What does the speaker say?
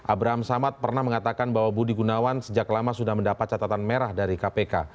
abraham samad pernah mengatakan bahwa budi gunawan sejak lama sudah mendapat catatan merah dari kpk